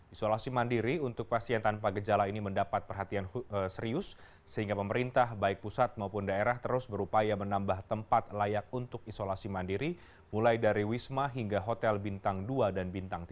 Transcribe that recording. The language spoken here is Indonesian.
isolasi mandiri untuk pasien tanpa gejala ini mendapat perhatian serius sehingga pemerintah baik pusat maupun daerah terus berupaya menambah tempat layak untuk isolasi mandiri mulai dari wisma hingga hotel bintang dua dan bintang tiga